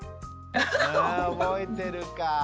覚えてるか。